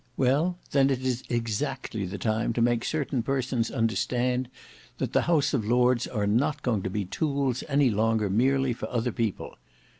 Well, then it is exactly the time to make certain persons understand that the House of Lords are not going to be tools any longer merely for other people.